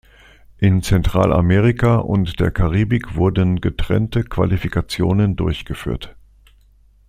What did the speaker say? In Zentralamerika und der Karibik wurden getrennte Qualifikationen durchgeführt.